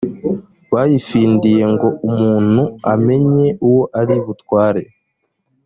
bayifindiye ngo umuntu amenye uwo ari butware